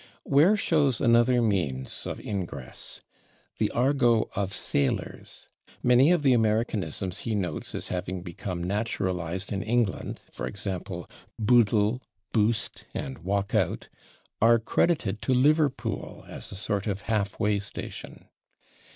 " Ware shows another means of ingress: the argot of sailors. Many of the Americanisms he notes as having become naturalized in England, /e. g./, /boodle/, /boost/ and /walk out/, are credited to Liverpool as a sort of half way station.